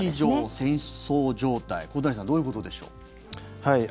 小谷さんどういうことでしょう。